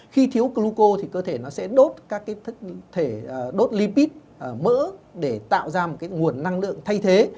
khi thiếu cluco thì cơ thể nó sẽ đốt các cái thức thể đốt lipid mỡ để tạo ra một cái nguồn năng lượng thay thế